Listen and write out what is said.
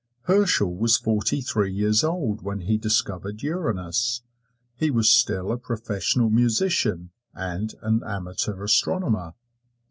Herschel was forty three years old when he discovered Uranus. He was still a professional musician, and an amateur astronomer.